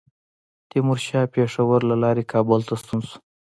تیمورشاه پېښور له لارې کابل ته ستون شو.